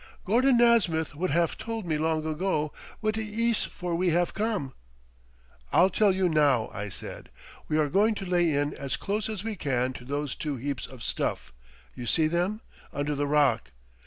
"Gordon Nasmyth would haf told me long ago what it ees for we haf come." "I'll tell you now," I said. "We are going to lay in as close as we can to those two heaps of stuff—you see them?—under the rock.